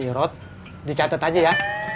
serot dicatat aja ya